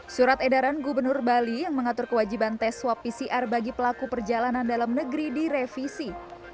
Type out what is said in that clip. surat edaran gubernur bali yang mengatur kewajiban tes swab pcr bagi pelaku perjalanan dalam negeri direvisi